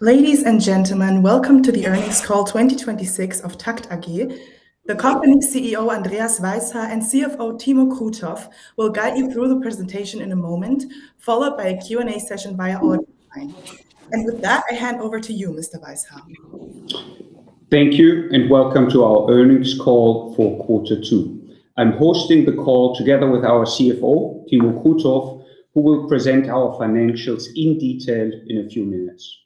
Ladies and gentlemen, welcome to the earnings call 2026 of TAKKT AG. The company CEO, Andreas Weishaar, and CFO, Timo Krutoff, will guide you through the presentation in a moment, followed by a Q&A session via online. With that, I hand over to you, Mr. Weishaar. Thank you, welcome to our earnings call for Quarter two. I'm hosting the call together with our CFO, Timo Krutoff, who will present our financials in detail in a few minutes.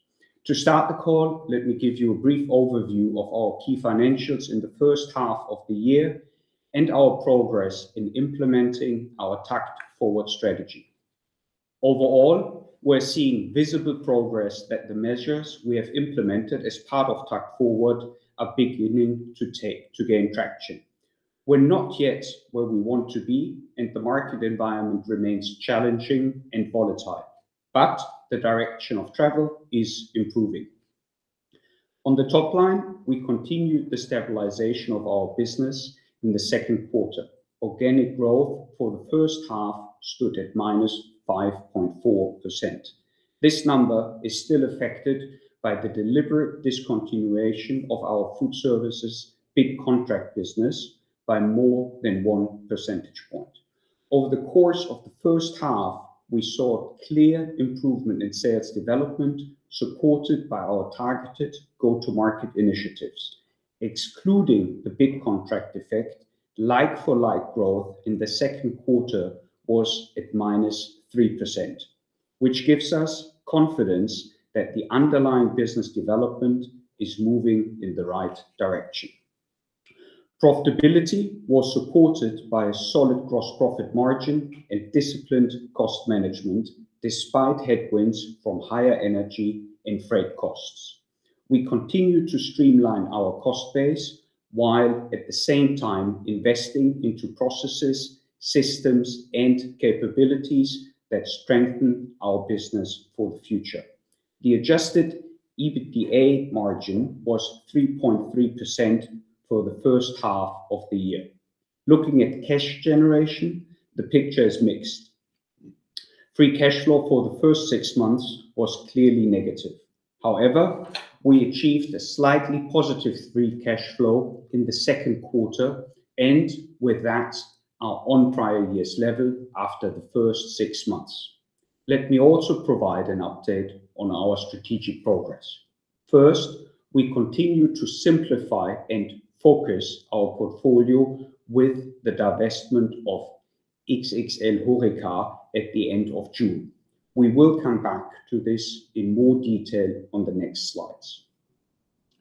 To start the call, let me give you a brief overview of our key financials in the first half of the year and our progress in implementing our TAKKT Forward strategy. Overall, we're seeing visible progress that the measures we have implemented as part of TAKKT Forward are beginning to gain traction. We're not yet where we want to be, the market environment remains challenging and volatile, but the direction of travel is improving. On the top line, we continued the stabilization of our business in the second quarter. Organic growth for the first half stood at -5.4%. This number is still affected by the deliberate discontinuation of our food services big contract business by more than one percentage point. Over the course of the first half, we saw clear improvement in sales development, supported by our targeted go-to-market initiatives. Excluding the big contract effect, like-for-like growth in the second quarter was at -3%, which gives us confidence that the underlying business development is moving in the right direction. Profitability was supported by a solid gross profit margin and disciplined cost management, despite headwinds from higher energy and freight costs. We continue to streamline our cost base while at the same time investing into processes, systems, and capabilities that strengthen our business for the future. The Adjusted EBITDA margin was 3.3% for the first half of the year. Looking at cash generation, the picture is mixed. Free cash flow for the first six months was clearly negative. However, we achieved a slightly positive free cash flow in the second quarter and with that are on prior year's level after the first six months. Let me also provide an update on our strategic progress. First, we continue to simplify and focus our portfolio with the divestment of XXLhoreca at the end of June. We will come back to this in more detail on the next slides.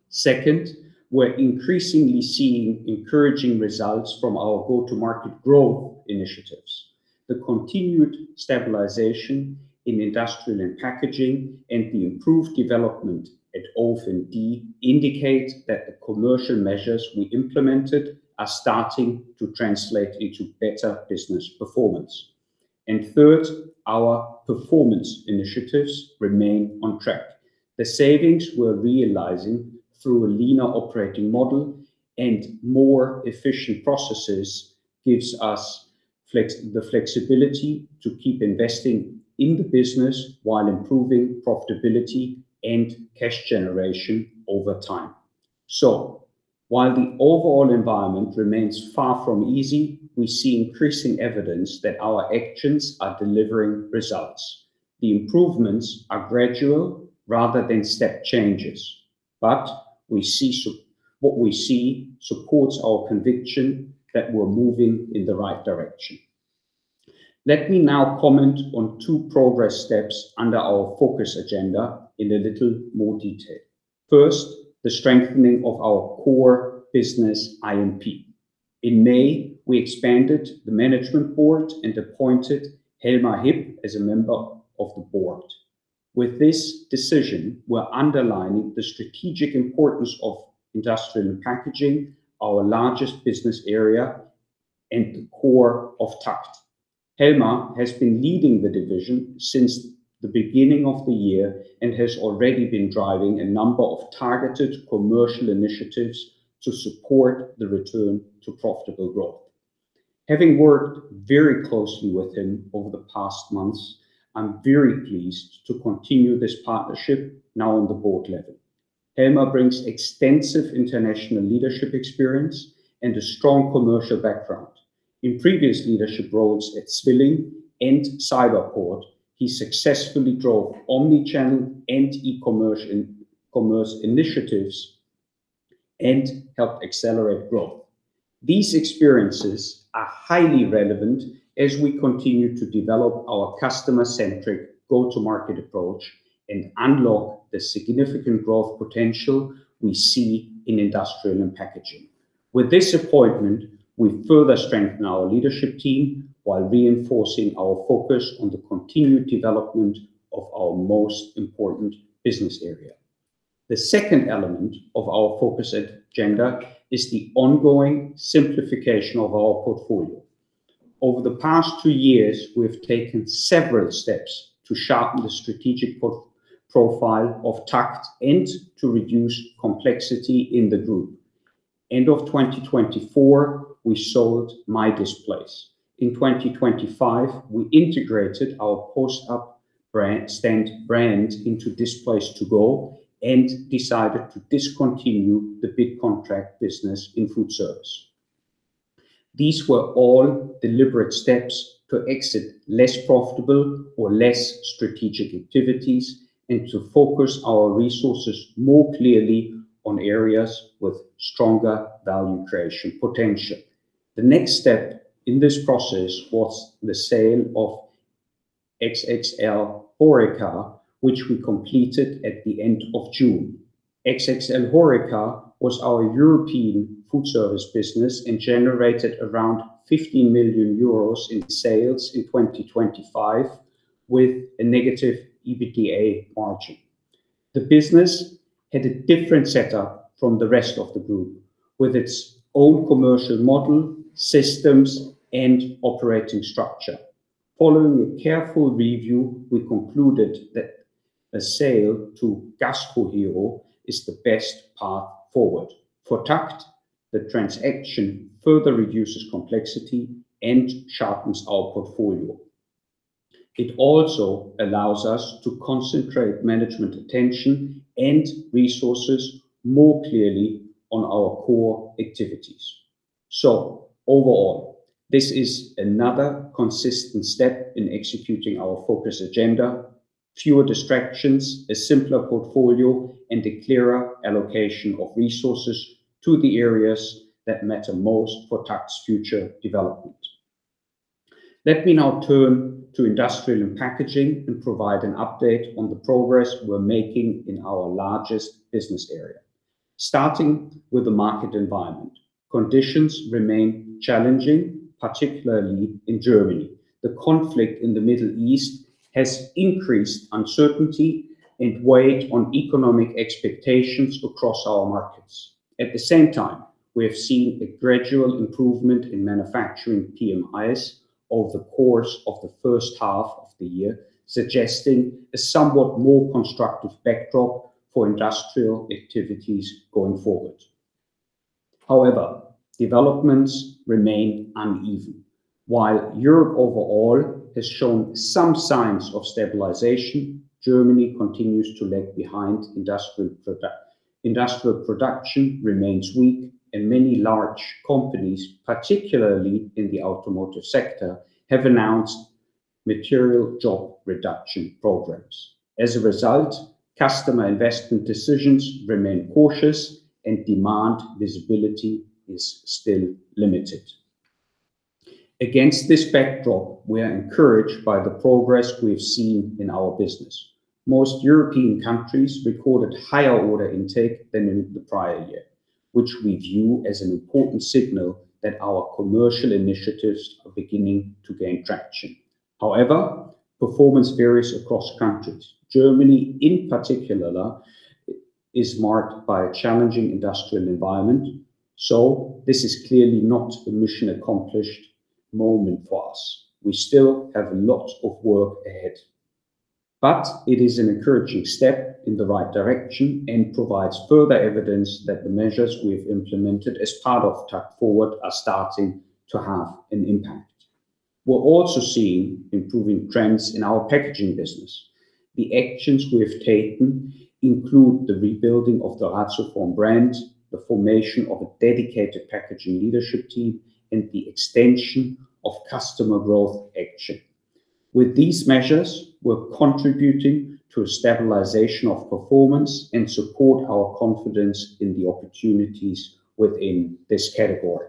Second, we're increasingly seeing encouraging results from our go-to-market growth initiatives. The continued stabilization in Industrial & Packaging and the improved development at OF&D indicate that the commercial measures we implemented are starting to translate into better business performance. Third, our performance initiatives remain on track. The savings we're realizing through a leaner operating model and more efficient processes gives us the flexibility to keep investing in the business while improving profitability and cash generation over time. While the overall environment remains far from easy, we see increasing evidence that our actions are delivering results. The improvements are gradual rather than step changes, but what we see supports our conviction that we're moving in the right direction. Let me now comment on two progress steps under our focus agenda in a little more detail. First, the strengthening of our core business, I&P. In May, we expanded the management board and appointed Helmar Hipp as a member of the board. With this decision, we're underlining the strategic importance of Industrial & Packaging, our largest business area and the core of TAKKT. Helmar has been leading the division since the beginning of the year and has already been driving a number of targeted commercial initiatives to support the return to profitable growth. Having worked very closely with him over the past months, I'm very pleased to continue this partnership now on the board level. Helmar brings extensive international leadership experience and a strong commercial background. In previous leadership roles at Zwilling and Cyberport, he successfully drove omnichannel and e-commerce initiatives and helped accelerate growth. These experiences are highly relevant as we continue to develop our customer-centric go-to-market approach and unlock the significant growth potential we see in Industrial & Packaging. With this appointment, we further strengthen our leadership team while reinforcing our focus on the continued development of our most important business area. The second element of our focus agenda is the ongoing simplification of our portfolio. Over the past two years, we have taken several steps to sharpen the strategic profile of TAKKT and to reduce complexity in the group. End of 2024, we sold MyDisplays. In 2025, we integrated our Post Up Stand brand into Displays2go and decided to discontinue the big contract business in food service. These were all deliberate steps to exit less profitable or less strategic activities, and to focus our resources more clearly on areas with stronger value creation potential. The next step in this process was the sale of XXLhoreca, which we completed at the end of June. XXLhoreca was our European food service business and generated around 15 million euros in sales in 2025 with a negative EBITDA margin. The business had a different setup from the rest of the group, with its own commercial model, systems, and operating structure. Following a careful review, we concluded that a sale to GastroHero is the best path forward. For TAKKT, the transaction further reduces complexity and sharpens our portfolio. It also allows us to concentrate management attention and resources more clearly on our core activities. Overall, this is another consistent step in executing our focus agenda. Fewer distractions, a simpler portfolio, and a clearer allocation of resources to the areas that matter most for TAKKT's future development. Let me now turn to Industrial & Packaging and provide an update on the progress we're making in our largest business area. Starting with the market environment. Conditions remain challenging, particularly in Germany. The conflict in the Middle East has increased uncertainty and weighed on economic expectations across our markets. At the same time, we have seen a gradual improvement in manufacturing PMIs over the course of the first half of the year, suggesting a somewhat more constructive backdrop for industrial activities going forward. However, developments remain uneven. While Europe overall has shown some signs of stabilization, Germany continues to lag behind industrial production. Industrial production remains weak, and many large companies, particularly in the automotive sector, have announced material job reduction programs. As a result, customer investment decisions remain cautious and demand visibility is still limited. Against this backdrop, we are encouraged by the progress we have seen in our business. Most European countries recorded higher order intake than in the prior year, which we view as an important signal that our commercial initiatives are beginning to gain traction. Performance varies across countries. Germany in particular is marked by a challenging industrial environment. This is clearly not a mission accomplished moment for us. We still have a lot of work ahead. It is an encouraging step in the right direction and provides further evidence that the measures we've implemented as part of TAKKT Forward are starting to have an impact. We're also seeing improving trends in our packaging business. The actions we have taken include the rebuilding of the ratioform brand, the formation of a dedicated packaging leadership team, and the extension of customer growth action. With these measures, we're contributing to a stabilization of performance and support our confidence in the opportunities within this category.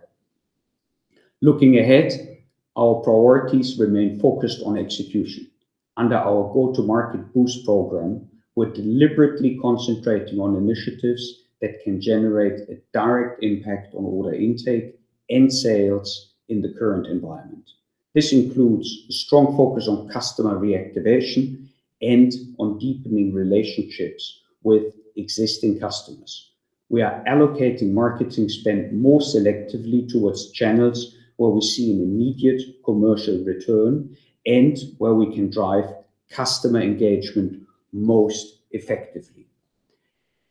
Looking ahead, our priorities remain focused on execution. Under our Go-To-Market Boost program, we're deliberately concentrating on initiatives that can generate a direct impact on order intake and sales in the current environment. This includes a strong focus on customer reactivation and on deepening relationships with existing customers. We are allocating marketing spend more selectively towards channels where we see an immediate commercial return and where we can drive customer engagement most effectively.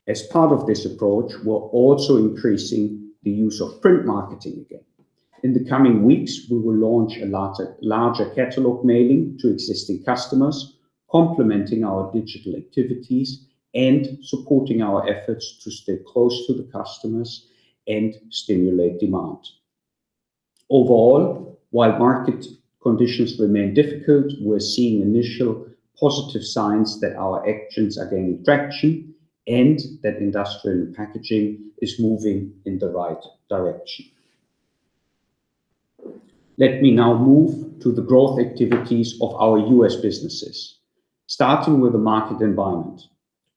As part of this approach, we're also increasing the use of print marketing again. In the coming weeks, we will launch a larger catalog mailing to existing customers, complementing our digital activities and supporting our efforts to stay close to the customers and stimulate demand. Overall, while market conditions remain difficult, we're seeing initial positive signs that our actions are gaining traction and that Industrial & Packaging is moving in the right direction. Let me now move to the growth activities of our U.S. businesses. Starting with the market environment.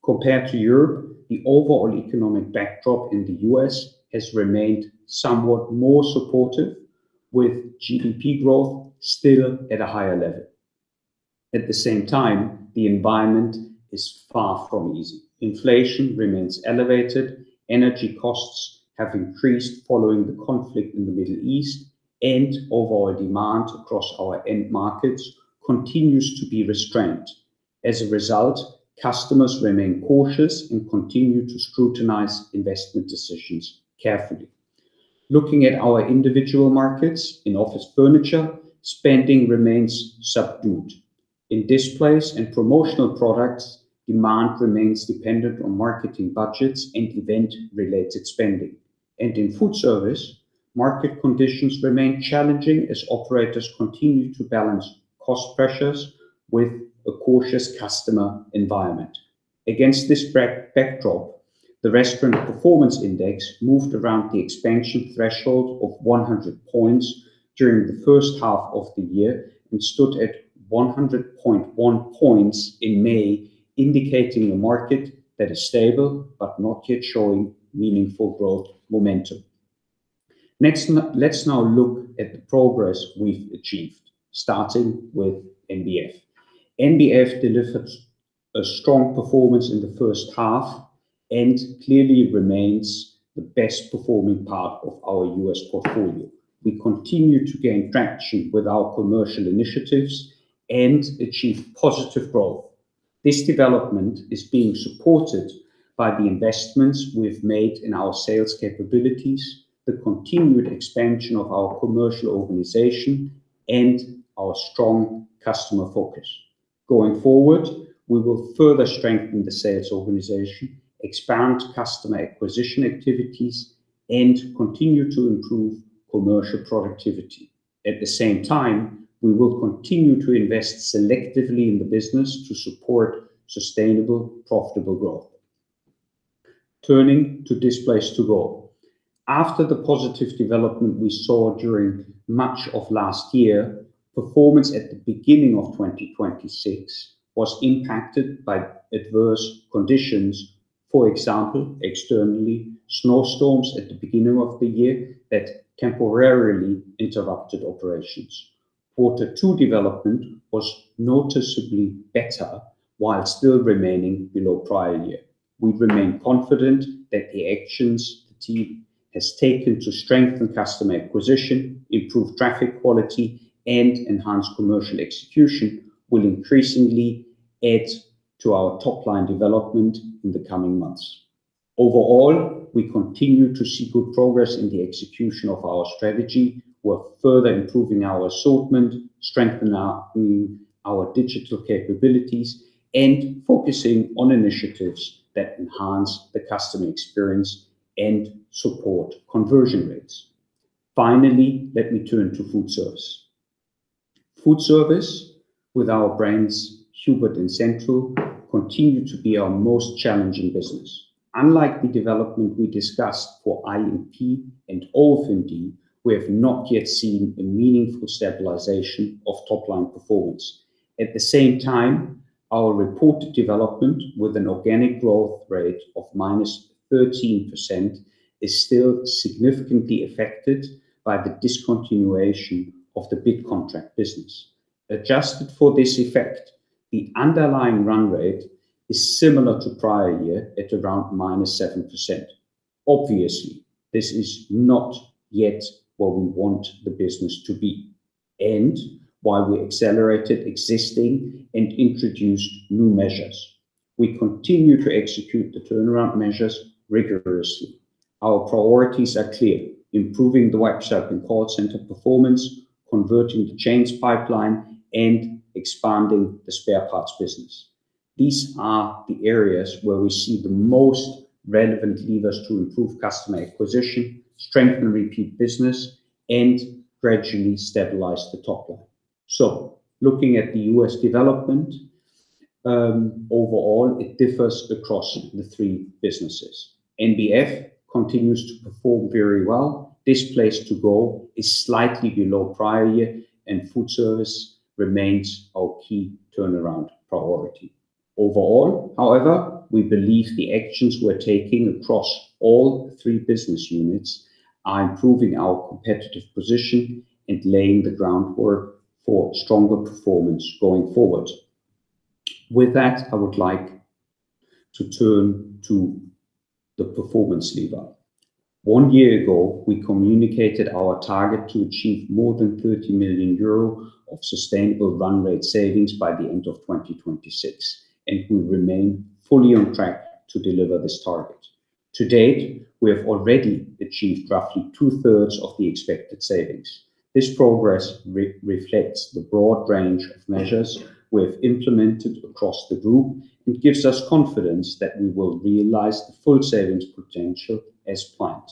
Compared to Europe, the overall economic backdrop in the U.S. has remained somewhat more supportive, with GDP growth still at a higher level. At the same time, the environment is far from easy. Inflation remains elevated, energy costs have increased following the conflict in the Middle East. Overall demand across our end markets continues to be restrained. As a result, customers remain cautious and continue to scrutinize investment decisions carefully. Looking at our individual markets, in office furniture, spending remains subdued. In displays and promotional products, demand remains dependent on marketing budgets and event-related spending. In food service, market conditions remain challenging as operators continue to balance cost pressures with a cautious customer environment. Against this backdrop, the Restaurant Performance Index moved around the expansion threshold of 100 points during the first half of the year and stood at 100.1 points in May, indicating a market that is stable but not yet showing meaningful growth momentum. Let's now look at the progress we've achieved, starting with NBF. NBF delivered a strong performance in the first half and clearly remains the best-performing part of our U.S. portfolio. We continue to gain traction with our commercial initiatives and achieve positive growth. This development is being supported by the investments we've made in our sales capabilities, the continued expansion of our commercial organization, and our strong customer focus. Going forward, we will further strengthen the sales organization, expand customer acquisition activities, and continue to improve commercial productivity. At the same time, we will continue to invest selectively in the business to support sustainable, profitable growth. Turning to Displays2go. After the positive development we saw during much of last year, performance at the beginning of 2026 was impacted by adverse conditions, for example, externally, snowstorms at the beginning of the year that temporarily interrupted operations. Quarter two development was noticeably better while still remaining below prior year. We remain confident that the actions the team has taken to strengthen customer acquisition, improve traffic quality, and enhance commercial execution will increasingly add to our top-line development in the coming months. Overall, we continue to see good progress in the execution of our strategy. We're further improving our assortment, strengthening our digital capabilities, and focusing on initiatives that enhance the customer experience and support conversion rates. Finally, let me turn to foodservice. Foodservice, with our brands Hubert and Central, continue to be our most challenging business. Unlike the development we discussed for I&P and [authentic], we have not yet seen a meaningful stabilization of top-line performance. At the same time, our reported development with an organic growth rate of -13% is still significantly affected by the discontinuation of the big contract business. Adjusted for this effect, the underlying run rate is similar to prior year at around -7%. Obviously, this is not yet where we want the business to be and why we accelerated existing and introduced new measures. We continue to execute the turnaround measures rigorously. Our priorities are clear, improving the website and call center performance, converting the chain's pipeline, and expanding the spare parts business. These are the areas where we see the most relevant levers to improve customer acquisition, strengthen repeat business, and gradually stabilize the top line. Looking at the U.S. development, overall it differs across the three businesses. NBF continues to perform very well. Displays2go is slightly below prior year, and foodservice remains our key turnaround priority. Overall, however, we believe the actions we're taking across all three business units are improving our competitive position and laying the groundwork for stronger performance going forward. With that, I would like to turn to the performance lever. One year ago, we communicated our target to achieve more than 30 million euro of sustainable run rate savings by the end of 2026, and we remain fully on track to deliver this target. To date, we have already achieved roughly two-thirds of the expected savings. This progress reflects the broad range of measures we have implemented across the group and gives us confidence that we will realize the full savings potential as planned.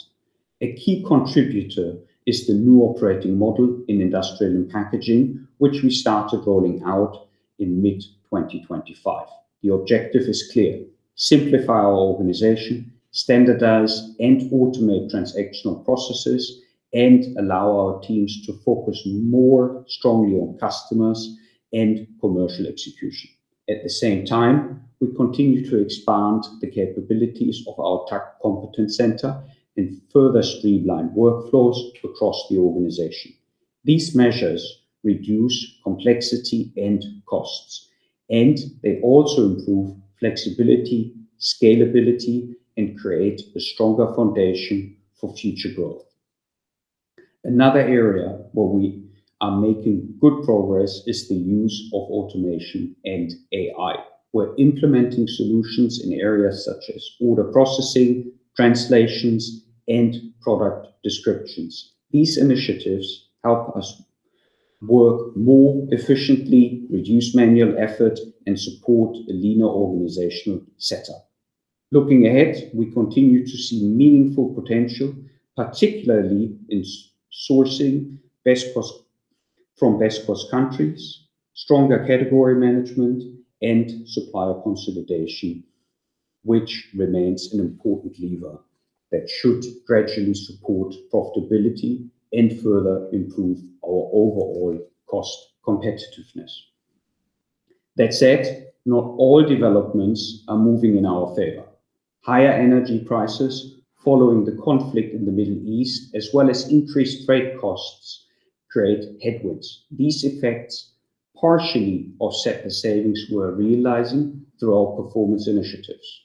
A key contributor is the new operating model in Industrial & Packaging, which we started rolling out in mid-2025. The objective is clear: simplify our organization, standardize and automate transactional processes, and allow our teams to focus more strongly on customers and commercial execution. At the same time, we continue to expand the capabilities of our TAKKT Competence Center and further streamline workflows across the organization. These measures reduce complexity and costs, they also improve flexibility, scalability, and create a stronger foundation for future growth. Another area where we are making good progress is the use of automation and AI. We're implementing solutions in areas such as order processing, translations, and product descriptions. These initiatives help us work more efficiently, reduce manual effort, and support a leaner organizational setup. Looking ahead, we continue to see meaningful potential, particularly in sourcing from best cost countries, stronger category management and supplier consolidation, which remains an important lever that should gradually support profitability and further improve our overall cost competitiveness. That said, not all developments are moving in our favor. Higher energy prices following the conflict in the Middle East, as well as increased freight costs, create headwinds. These effects partially offset the savings we're realizing through our performance initiatives.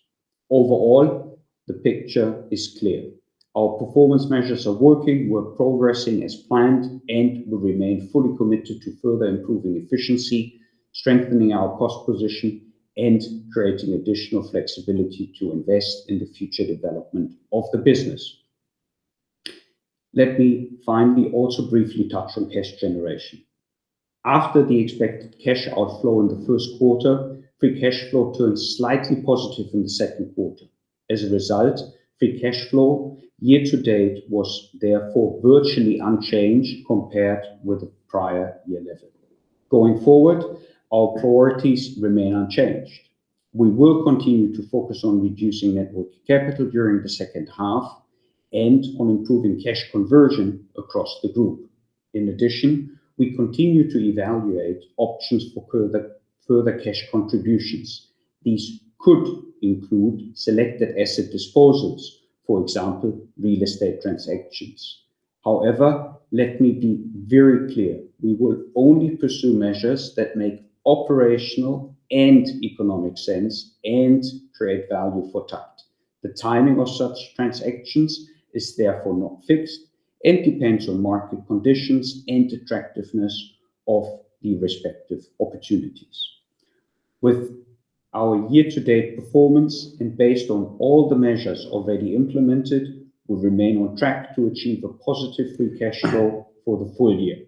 Overall, the picture is clear. Our performance measures are working, we're progressing as planned, we remain fully committed to further improving efficiency, strengthening our cost position, and creating additional flexibility to invest in the future development of the business. Let me finally also briefly touch on cash generation. After the expected cash outflow in the first quarter, free cash flow turned slightly positive in the second quarter. As a result, free cash flow year to date was therefore virtually unchanged compared with the prior year level. Going forward, our priorities remain unchanged. We will continue to focus on reducing net working capital during the second half and on improving cash conversion across the group. In addition, we continue to evaluate options for further cash contributions. These could include selected asset disposals, for example, real estate transactions. However, let me be very clear, we will only pursue measures that make operational and economic sense and create value for TAKKT. The timing of such transactions is therefore not fixed and depends on market conditions and attractiveness of the respective opportunities. With our year to date performance and based on all the measures already implemented, we remain on track to achieve a positive free cash flow for the full year.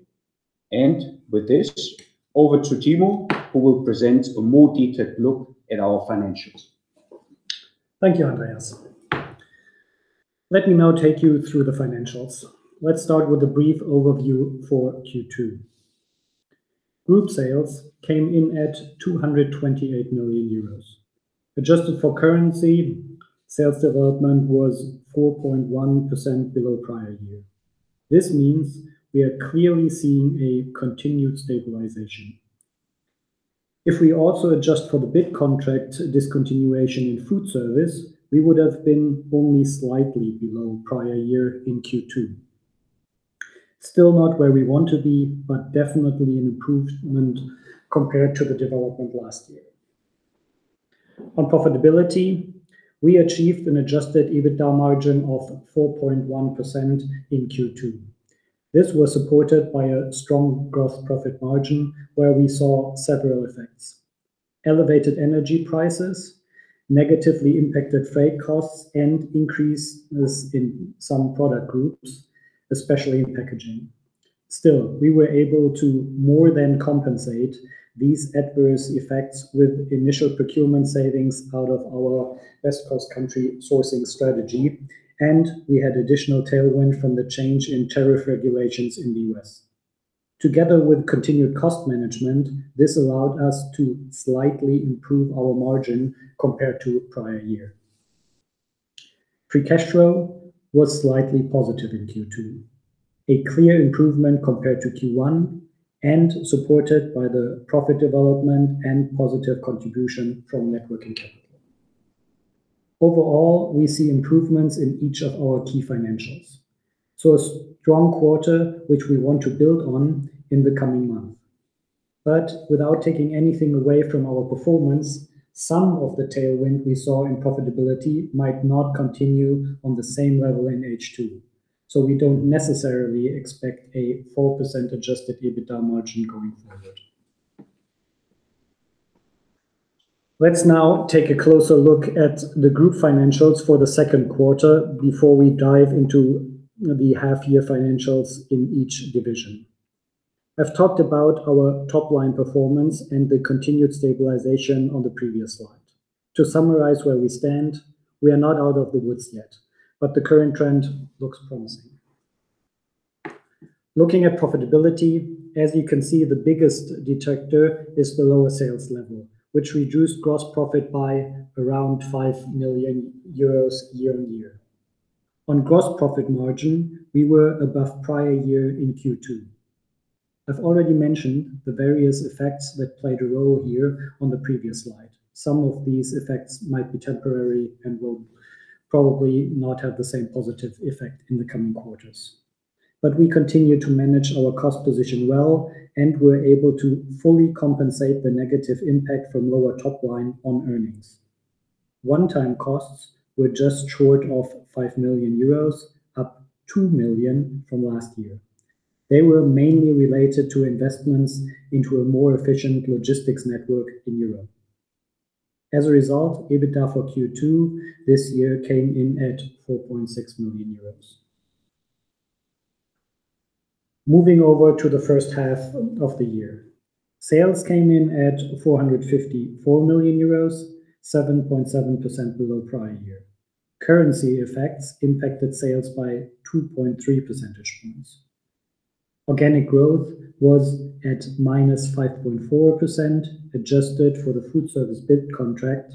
With this, over to Timo, who will present a more detailed look at our financials. Thank you, Andreas. Let me now take you through the financials. Let's start with a brief overview for Q2. Group sales came in at 228 million euros. Adjusted for currency, sales development was 4.1% below prior year. This means we are clearly seeing a continued stabilization. If we also adjust for the big contract discontinuation in food service, we would have been only slightly below prior year in Q2. Still not where we want to be, but definitely an improvement compared to the development last year. On profitability, we achieved an Adjusted EBITDA margin of 4.1% in Q2. This was supported by a strong gross profit margin where we saw several effects. Elevated energy prices negatively impacted freight costs and increases in some product groups, especially in packaging. We were able to more than compensate these adverse effects with initial procurement savings out of our best cost country sourcing strategy, and we had additional tailwind from the change in tariff regulations in the U.S. Together with continued cost management, this allowed us to slightly improve our margin compared to prior year. Free cash flow was slightly positive in Q2, a clear improvement compared to Q1 and supported by the profit development and positive contribution from net working capital. Overall, we see improvements in each of our key financials. A strong quarter, which we want to build on in the coming months. Without taking anything away from our performance, some of the tailwind we saw in profitability might not continue on the same level in H2. We don't necessarily expect a 4% Adjusted EBITDA margin going forward. Let's now take a closer look at the group financials for the second quarter before we dive into the half year financials in each division. I've talked about our top-line performance and the continued stabilization on the previous slide. To summarize where we stand, we are not out of the woods yet, but the current trend looks promising. Looking at profitability, as you can see, the biggest detector is the lower sales level, which reduced gross profit by around 5 million euros year-on-year. On gross profit margin, we were above prior year in Q2. I've already mentioned the various effects that played a role here on the previous slide. Some of these effects might be temporary and will probably not have the same positive effect in the coming quarters. We continue to manage our cost position well, and we're able to fully compensate the negative impact from lower top line on earnings. One-time costs were just short of 5 million euros, up 2 million from last year. They were mainly related to investments into a more efficient logistics network in Europe. As a result, EBITDA for Q2 this year came in at 4.6 million euros. Moving over to the first half of the year, sales came in at 454 million euros, 7.7% below prior year. Currency effects impacted sales by 2.3 percentage points. Organic growth was at -5.4%, adjusted for the foodservice bid contract,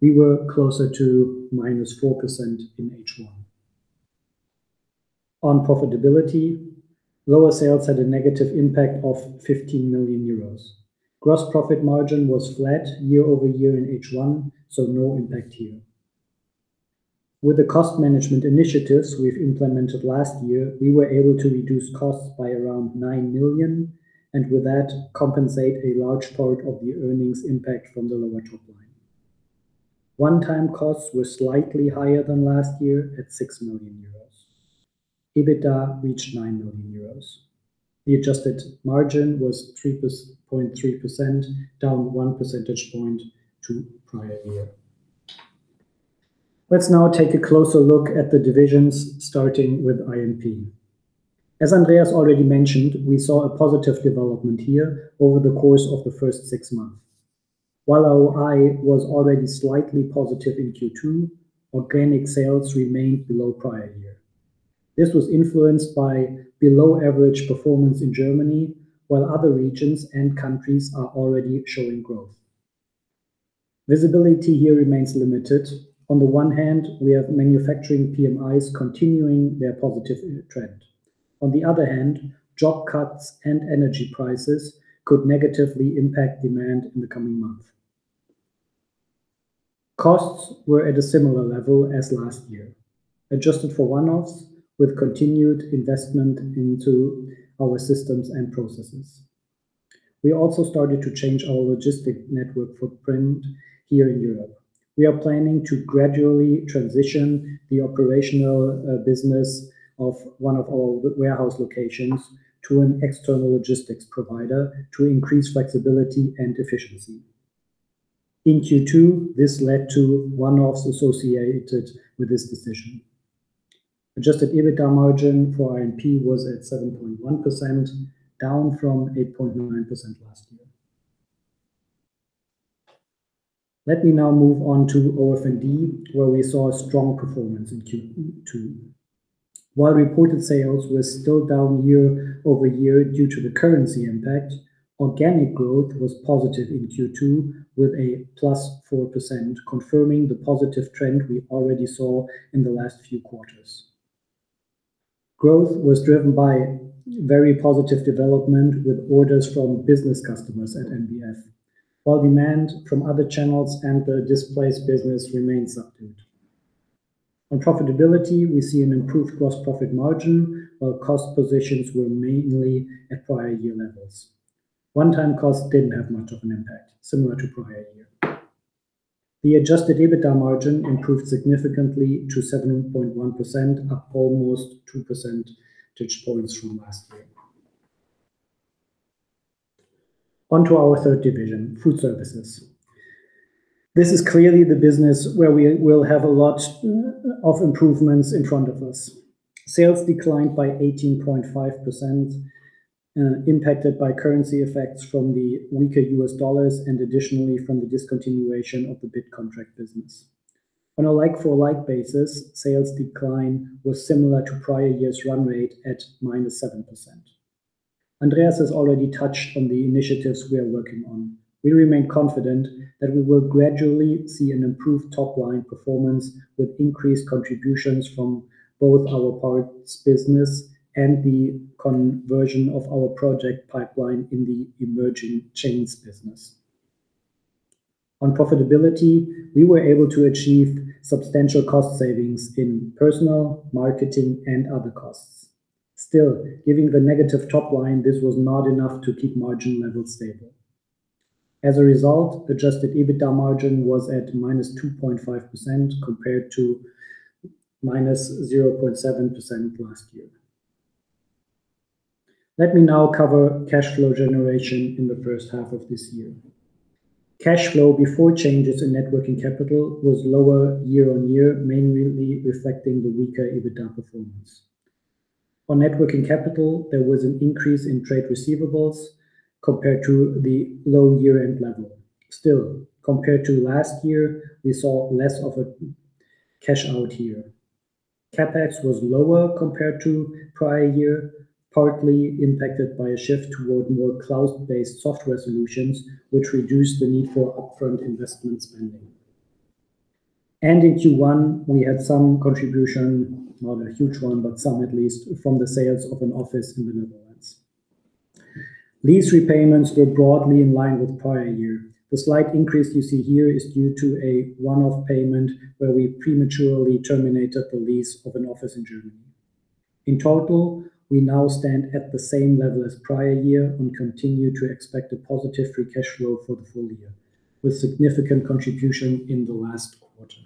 we were closer to -4% in H1. On profitability, lower sales had a negative impact of 15 million euros. Gross profit margin was flat year-over-year in H1, so no impact here. With the cost management initiatives we've implemented last year, we were able to reduce costs by around 9 million and with that compensate a large part of the earnings impact from the lower top line. One-time costs were slightly higher than last year at 6 million euros. EBITDA reached 9 million euros. The adjusted margin was 3.3% down 1 percentage point to prior year. Let's now take a closer look at the divisions starting with I&P. As Andreas already mentioned, we saw a positive development here over the course of the first six months. While OI was already slightly positive in Q2, organic sales remained below prior year. This was influenced by below average performance in Germany, while other regions and countries are already showing growth. Visibility here remains limited. On the one hand, we have manufacturing PMIs continuing their positive trend. On the other hand, job cuts and energy prices could negatively impact demand in the coming months. Costs were at a similar level as last year, adjusted for one-offs with continued investment into our systems and processes. We also started to change our logistic network footprint here in Europe. We are planning to gradually transition the operational business of one of our warehouse locations to an external logistics provider to increase flexibility and efficiency. In Q2, this led to one-offs associated with this decision. Adjusted EBITDA margin for I&P was at 7.1%, down from 8.9% last year. Let me now move on to OF&D where we saw a strong performance in Q2. While reported sales were still down year-over-year due to the currency impact, organic growth was positive in Q2 with a +4%, confirming the positive trend we already saw in the last few quarters. Growth was driven by very positive development with orders from business customers at NBF, while demand from other channels and the displays business remains subdued. On profitability, we see an improved gross profit margin, while cost positions were mainly at prior year levels. One-time costs didn't have much of an impact, similar to prior year. The Adjusted EBITDA margin improved significantly to 7.1%, up almost 2 percentage points from last year. On to our third division, Foodservices. This is clearly the business where we will have a lot of improvements in front of us. Sales declined by 18.5%, impacted by currency effects from the weaker U.S. dollars and additionally from the discontinuation of the bid contract business. On a like-for-like basis, sales decline was similar to prior year's run rate at -7%. Andreas has already touched on the initiatives we are working on. We remain confident that we will gradually see an improved top-line performance with increased contributions from both our parts business and the conversion of our project pipeline in the emerging chains business. On profitability, we were able to achieve substantial cost savings in personnel, marketing, and other costs. Still, given the negative top line, this was not enough to keep margin levels stable. As a result, Adjusted EBITDA margin was at -2.5% compared to -0.7% last year. Let me now cover cash flow generation in the first half of this year. Cash flow before changes in net working capital was lower year-on-year, mainly reflecting the weaker EBITDA performance. On net working capital, there was an increase in trade receivables compared to the low year-end level. Still, compared to last year, we saw less of a cash out here. CapEx was lower compared to prior year, partly impacted by a shift toward more cloud-based software solutions, which reduced the need for upfront investment spending. In Q1, we had some contribution, not a huge one, but some at least from the sales of an office in the Netherlands. Lease repayments were broadly in line with prior year. The slight increase you see here is due to a one-off payment where we prematurely terminated the lease of an office in Germany. In total, we now stand at the same level as prior year and continue to expect a positive free cash flow for the full year, with significant contribution in the last quarter.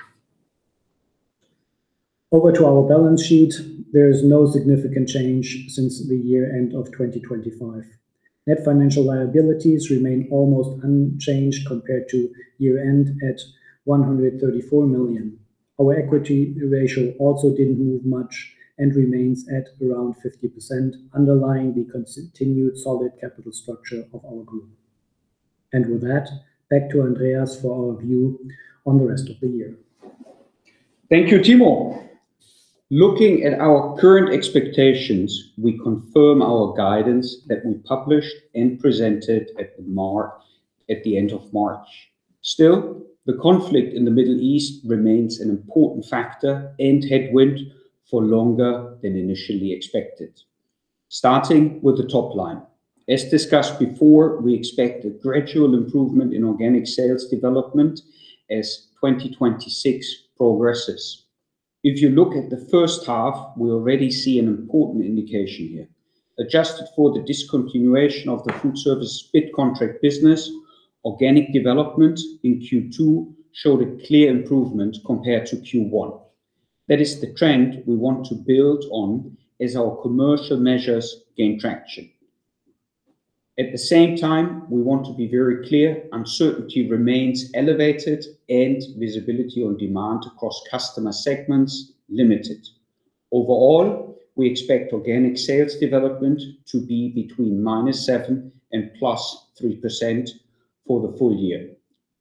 Over to our balance sheet. There is no significant change since the year-end of 2025. Net financial liabilities remain almost unchanged compared to year-end at 134 million. Our equity ratio also didn't move much and remains at around 50%, underlying the continued solid capital structure of our group. With that, back to Andreas for our view on the rest of the year. Thank you, Timo. Looking at our current expectations, we confirm our guidance that we published and presented at the end of March. Still, the conflict in the Middle East remains an important factor and headwind for longer than initially expected. Starting with the top line. As discussed before, we expect a gradual improvement in organic sales development as 2026 progresses. If you look at the first half, we already see an important indication here. Adjusted for the discontinuation of the food service bid contract business, organic development in Q2 showed a clear improvement compared to Q1. That is the trend we want to build on as our commercial measures gain traction. At the same time, we want to be very clear, uncertainty remains elevated and visibility on demand across customer segments limited. Overall, we expect organic sales development to be between -7% and +3% for the full year.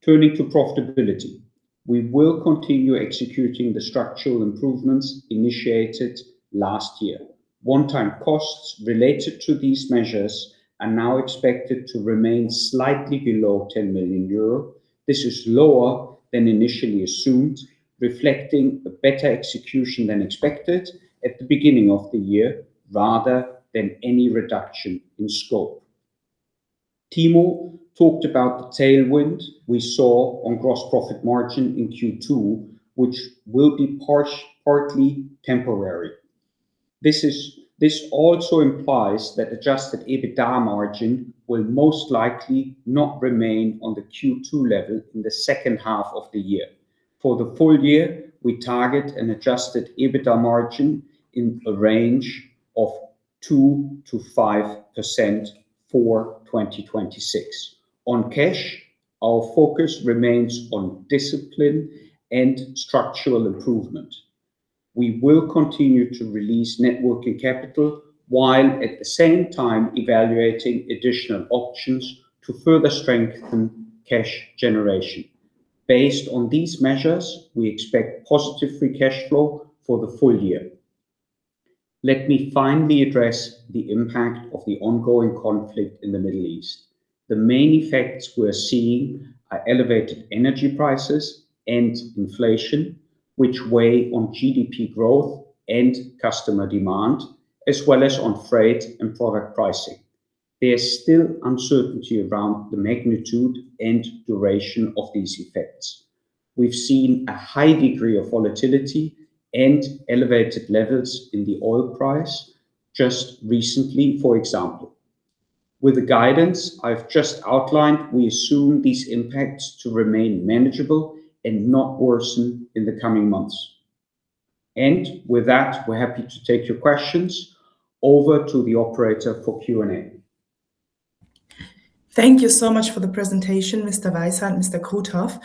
Turning to profitability. We will continue executing the structural improvements initiated last year. One-time costs related to these measures are now expected to remain slightly below 10 million euro. This is lower than initially assumed, reflecting a better execution than expected at the beginning of the year rather than any reduction in scope. Timo talked about the tailwind we saw on gross profit margin in Q2, which will be partly temporary. This also implies that Adjusted EBITDA margin will most likely not remain on the Q2 level in the second half of the year. For the full year, we target an Adjusted EBITDA margin in a range of 2%-5% for 2026. On cash, our focus remains on discipline and structural improvement. We will continue to release net working capital while at the same time evaluating additional options to further strengthen cash generation. Based on these measures, we expect positive free cash flow for the full year. Let me finally address the impact of the ongoing conflict in the Middle East. The main effects we're seeing are elevated energy prices and inflation, which weigh on GDP growth and customer demand, as well as on freight and product pricing. There's still uncertainty around the magnitude and duration of these effects. We've seen a high degree of volatility and elevated levels in the oil price just recently, for example. With the guidance I've just outlined, we assume these impacts to remain manageable and not worsen in the coming months. With that, we're happy to take your questions. Over to the operator for Q&A. Thank you so much for the presentation, Mr. Weishaar and Mr. Krutoff.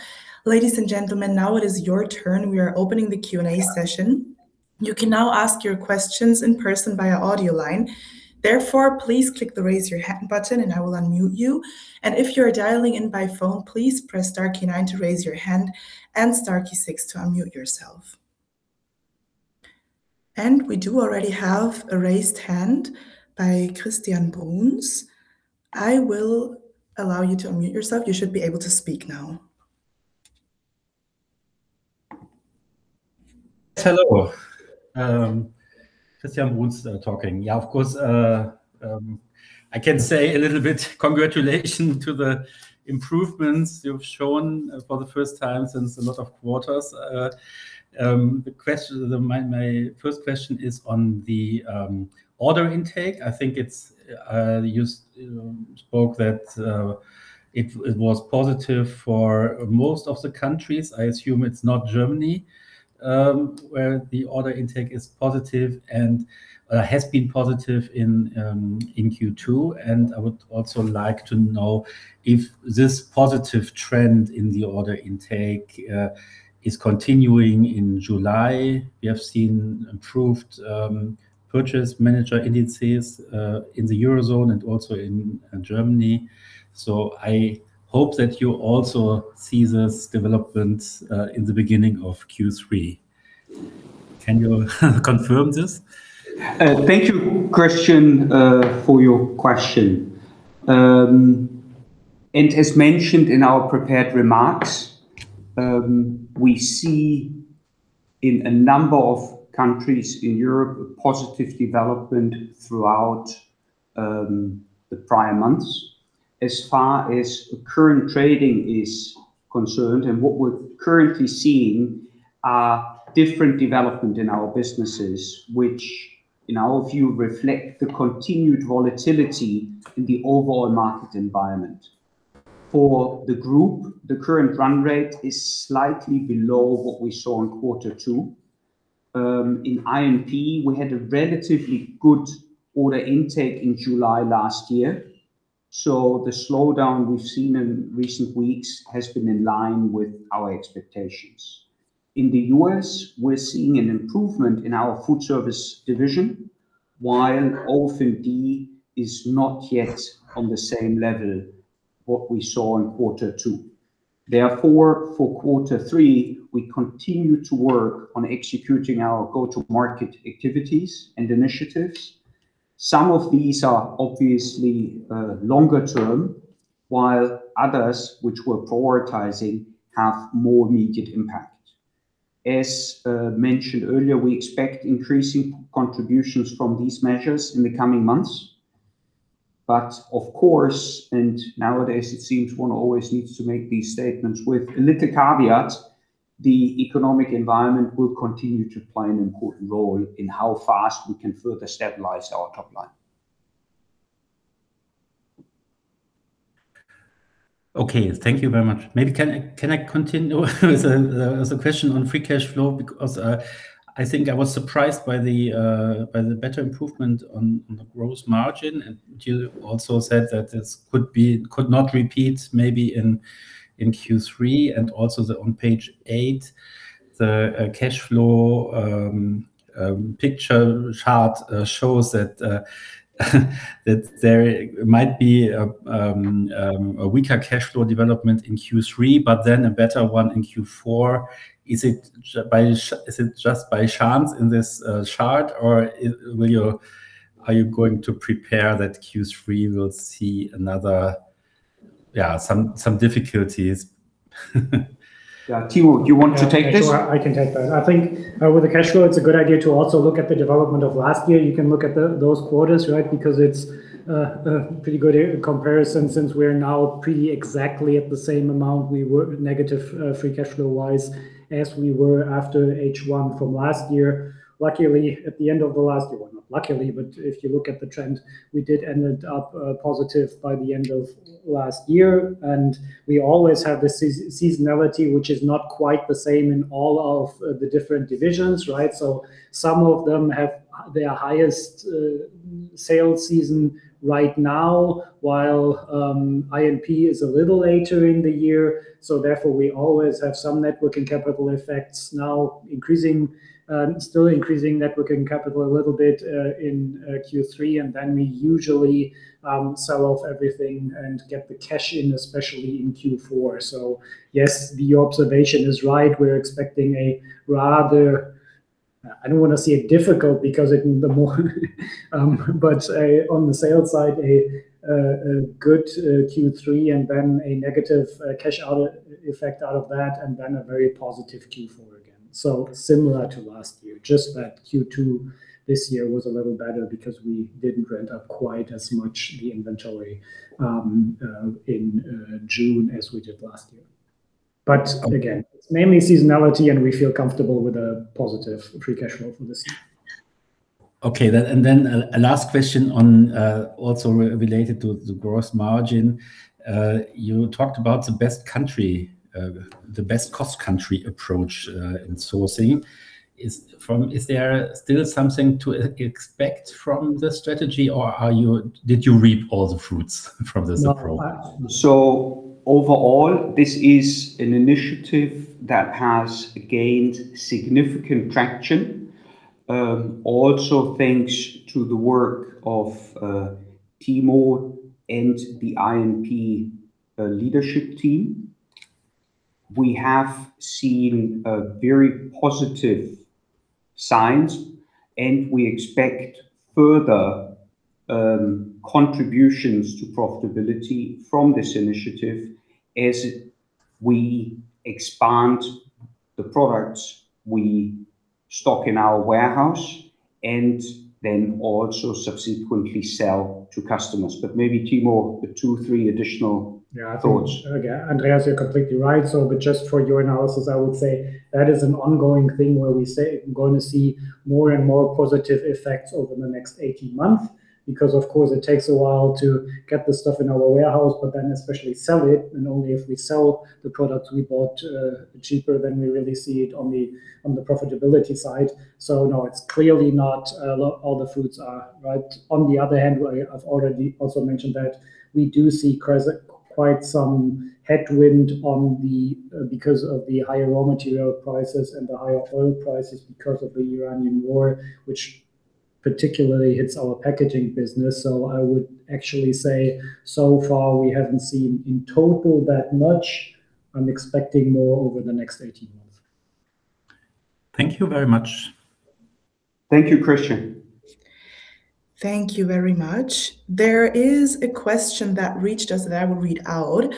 Ladies and gentlemen, now it is your turn. We are opening the Q&A session. You can now ask your questions in person via audio line. Therefore, please click the Raise Your Hand button and I will unmute you. If you are dialing in by phone, please press star key nine to raise your hand and star key six to unmute yourself. We do already have a raised hand by Christian Bruns. I will allow you to unmute yourself. You should be able to speak now. Hello. Christian Bruns talking. Yeah, of course, I can say a little bit congratulation to the improvements you have shown for the first time since a lot of quarters. My first question is on the order intake. I think you spoke that it was positive for most of the countries. I assume it is not Germany where the order intake is positive and has been positive in Q2. I would also like to know if this positive trend in the order intake is continuing in July. We have seen improved purchase manager indices in the Eurozone and also in Germany. I hope that you also see this development in the beginning of Q3. Can you confirm this? Thank you, Christian, for your question. As mentioned in our prepared remarks, we see in a number of countries in Europe a positive development throughout the prior months. As far as current trading is concerned and what we are currently seeing are different development in our businesses, which in our view reflect the continued volatility in the overall market environment. For the group, the current run rate is slightly below what we saw in quarter two. In I&P, we had a relatively good order intake in July last year, so the slowdown we have seen in recent weeks has been in line with our expectations. In the U.S., we are seeing an improvement in our Foodservice division, while OF&D is not yet on the same level what we saw in quarter two. Therefore, for quarter three, we continue to work on executing our go-to-market activities and initiatives. Some of these are obviously longer term, while others, which we are prioritizing, have more immediate impact. As mentioned earlier, we expect increasing contributions from these measures in the coming months. Of course, and nowadays it seems one always needs to make these statements with a little caveat, the economic environment will continue to play an important role in how fast we can further stabilize our top line. Okay. Thank you very much. Maybe can I continue with the question on free cash flow? I think I was surprised by the better improvement on the gross margin, and you also said that this could not repeat maybe in Q3, and also on page 8, the cash flow picture chart shows that there might be a weaker cash flow development in Q3, but then a better one in Q4. Is it just by chance in this chart, or are you going to prepare that Q3 will see some difficulties? Yeah. Timo, do you want to take this? Sure. I can take that. I think with the cash flow, it's a good idea to also look at the development of last year. You can look at those quarters, right? It's a pretty good comparison since we're now pretty exactly at the same amount we were negative free cash flow-wise as we were after H1 from last year. Luckily, at the end of the last year. Well, not luckily, but if you look at the trend, we did ended up positive by the end of last year. We always have the seasonality, which is not quite the same in all of the different divisions, right? Some of them have their highest sales season right now, while I&P is a little later in the year, therefore, we always have some net working capital effects now increasing, still increasing net working capital a little bit in Q3, and then we usually sell off everything and get the cash in, especially in Q4. Yes, your observation is right. We're expecting a rather, I don't want to say difficult, but on the sales side, a good Q3 and then a negative cash out effect out of that, and then a very positive Q4 again. Similar to last year, just that Q2 this year was a little better because we didn't rent up quite as much the inventory in June as we did last year. Again, it's mainly seasonality, and we feel comfortable with a positive free cash flow for this year. Okay. Then a last question on, also related to the gross margin. You talked about the best country, the best cost country approach in sourcing. Is there still something to expect from this strategy, or did you reap all the fruits from this approach? Not all. Overall, this is an initiative that has gained significant traction. Also, thanks to the work of Timo and the I&P leadership team. We have seen very positive signs, and we expect further contributions to profitability from this initiative as we expand the products we stock in our warehouse and then also subsequently sell to customers. Maybe, Timo, the two, three additional thoughts. I think, Andreas, you're completely right. Just for your analysis, I would say that is an ongoing thing where we say we're going to see more and more positive effects over the next 18 months because, of course, it takes a while to get the stuff in our warehouse, but then especially sell it, and only if we sell the product we bought cheaper than we really see it on the profitability side. No, it's clearly not all the fruits are, right? On the other hand, I've already also mentioned that we do see quite some headwind on the, because of the higher raw material prices and the higher oil prices because of the Iran-Israel conflict, which particularly hits our packaging business. I would actually say so far we haven't seen in total that much. I'm expecting more over the next 18 months. Thank you very much. Thank you, Christian. Thank you very much. There is a question that reached us that I will read out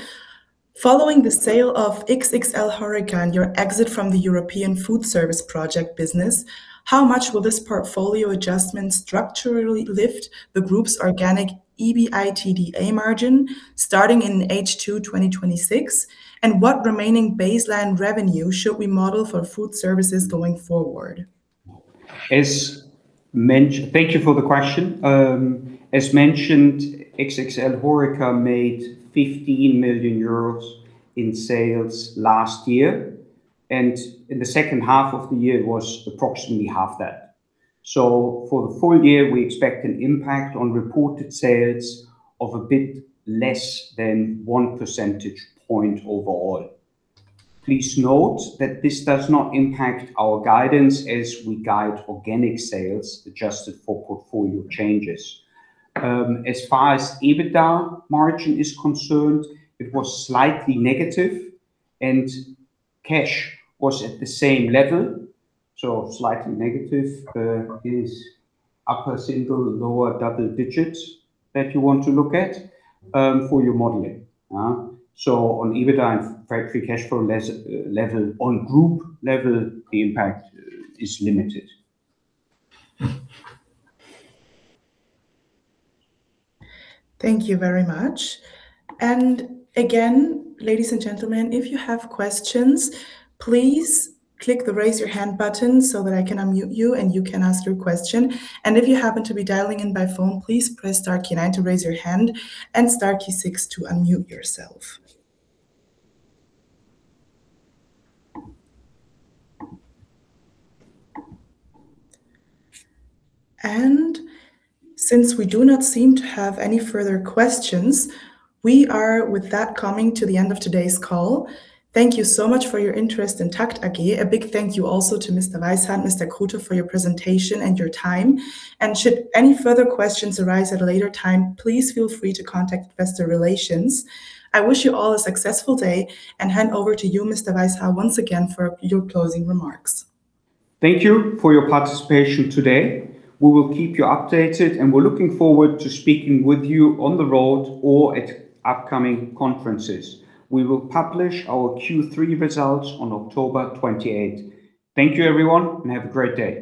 Following the sale of XXLhoreca, your exit from the European food service project business, how much will this portfolio adjustment structurally lift the group's organic EBITDA margin starting in H2 2026, and what remaining baseline revenue should we model for food services going forward? Thank you for the question. As mentioned, XXLhoreca made 15 million euros in sales last year, and in the second half of the year it was approximately half that. For the full year, we expect an impact on reported sales of a bit less than one percentage point overall. Please note that this does not impact our guidance as we guide organic sales adjusted for portfolio changes. As far as EBITDA margin is concerned, it was slightly negative and cash was at the same level, so slightly negative. It is upper single, lower double digits that you want to look at for your modeling. On EBITDA and free cash flow level, on group level, the impact is limited. Thank you very much. Again, ladies and gentlemen, if you have questions, please click the raise your hand button so that I can unmute you and you can ask your question. If you happen to be dialing in by phone, please press star key nine to raise your hand and star key six to unmute yourself. Since we do not seem to have any further questions, we are with that coming to the end of today's call. Thank you so much for your interest in TAKKT AG. A big thank you also to Mr. Weishaar and Mr. Krutoff for your presentation and your time. Should any further questions arise at a later time, please feel free to contact investor relations. I wish you all a successful day and hand over to you, Mr. Weishaar, once again for your closing remarks. Thank you for your participation today. We will keep you updated, we're looking forward to speaking with you on the road or at upcoming conferences. We will publish our Q3 results on October 28th. Thank you everyone, have a great day.